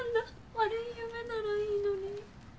悪い夢ならいいのに。